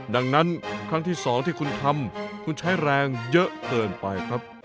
ดังนั้นครั้งที่๒ที่คุณทำคุณใช้แรงเยอะเกินไปครับ